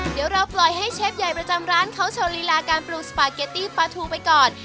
เดี๋ยวเราปล่อยให้เชฟใหญ่ประจำร้านเขาโชว์ลีลาการปรุงสปาเกตตี้ปลาทูไปก่อน